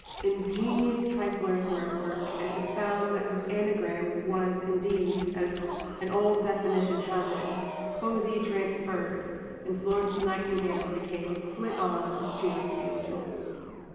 Ingenious triflers were at work, and it was found that her anagram was indeed, as an old definition has it, poesie transferred, and Florence Nightingale became "Flit on, cheering angel."